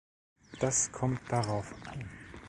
Das kommt darauf an.